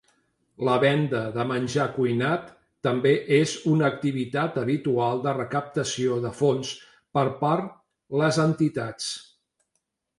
La venda de menjar cuinat també és una activitat habitual de recaptació de fons per part les entitats.